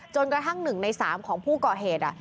จนกระทั่ง๑ใน๓ของผู้ก่อเหตุ